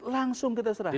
langsung kita serahkan